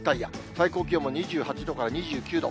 最高気温も２８度から２９度。